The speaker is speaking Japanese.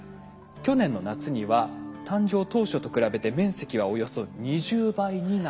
去年の夏には誕生当初と比べて面積はおよそ２０倍になったんです。